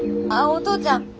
あお父ちゃん